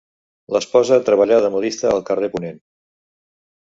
L’esposa treballà de modista al carrer Ponent.